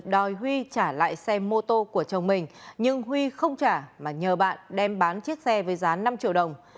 đòi huy trả lại xe mô tô của chồng mình nhưng huy không trả mà nhờ bạn đem bán chiếc xe với giá năm triệu đồng